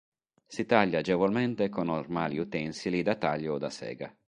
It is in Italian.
Si taglia agevolmente con normali utensili da taglio o da sega.